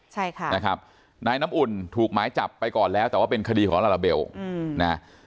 ใช่ค่ะนะครับนายน้ำอุ่นถูกหมายจับไปก่อนแล้วแต่ว่าเป็นคดีของลาลาเบลนะฮะ